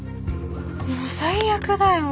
もう最悪だよ。